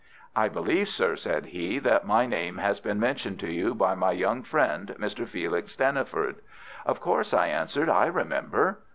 "I believe, sir," said he, "that my name has been mentioned to you by my young friend, Mr. Felix Stanniford?" "Of course," I answered, "I remember."